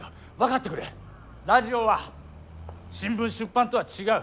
ラジオは新聞出版とは違う。